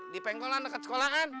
di pengkolan dekat sekolahan